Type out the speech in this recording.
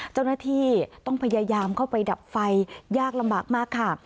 เจ้าหน้าที่ต้องพยายามเข้าไปดับไฟยากลำบากมากค่ะ